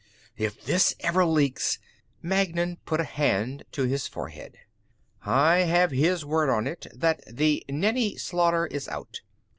"If this ever leaks...." Magnan put a hand to his forehead. "I have his word on it that the Nenni slaughter is out.